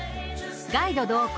ガイド同行